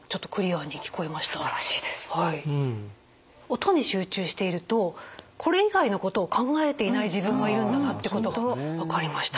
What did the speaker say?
音に集中しているとこれ以外のことを考えていない自分がいるんだなってことが分かりました。